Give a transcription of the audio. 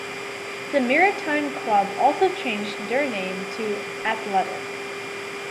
The Maritime club also changed their name to ‘Athletic’.